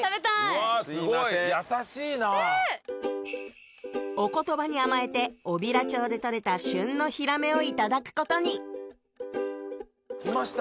うわすごい優しいなぁおことばに甘えて小平町で捕れた旬の「ヒラメ」をいただくことに来ました